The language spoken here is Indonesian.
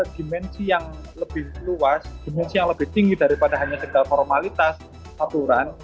dimensi yang lebih luas dimensi yang lebih tinggi daripada hanya segala formalitas aturan